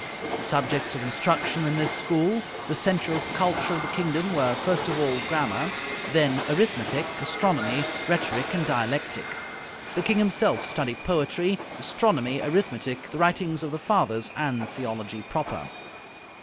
The subjects of instruction in this school, the centre of culture of the kingdom, were first of all, grammar; then arithmetic, astronomy, rhetoric, and dialectic. The king himself studied poetry, astronomy, arithmetic, the writings of the Fathers, and theology proper.